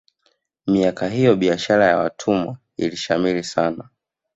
miaka hiyo biashara ya watumwa ilishamiri sana